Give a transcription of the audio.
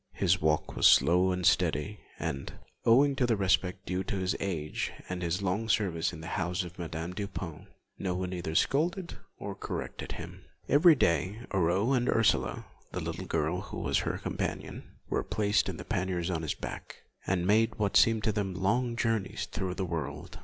His walk was slow and stately, and, owing to the respect due to his age and his long service in the house of Madame Dupin, no one either scolded or corrected him. Every day Aurore and Ursule, the little girl who was her companion, were placed in panniers on his back, and made what seemed to them long journeys through the world.